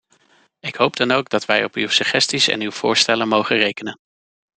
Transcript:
Ik hoop dan ook dat wij op uw suggesties en uw voorstellen mogen rekenen.